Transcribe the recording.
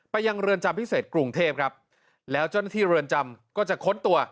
ยังเรือนจำพิเศษกรุงเทพครับแล้วเจ้าหน้าที่เรือนจำก็จะค้นตัว